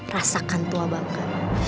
rasakan tua bangga